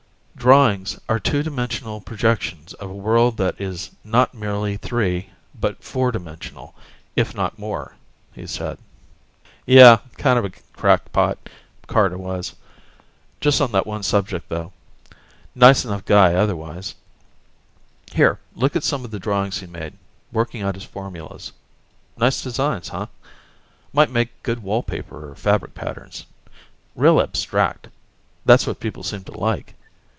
Drawings are two dimensional projections of a world that is not merely three but four dimensional, if not more," he said. Yeh, kind of a crackpot, Carter was. Just on that one subject, though; nice enough guy otherwise. Here, look at some of the drawings he made, working out his formulas. Nice designs, huh? Might make good wall paper or fabric patterns. Real abstract ... that's what people seem to like.